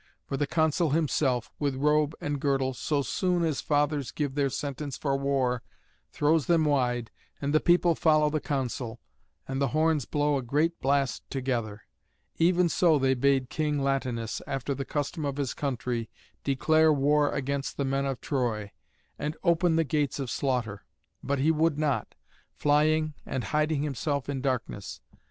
For the Consul himself, with robe and girdle, so soon as the fathers give their sentence for war, throws them wide, and the people follow the Consul, and the horns blow a great blast together. Even so they bade King Latinus, after the custom of his country, declare war against the men of Troy, and open the gates of slaughter; but he would not, flying and hiding himself in darkness.